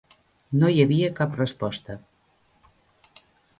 No hi havia cap resposta.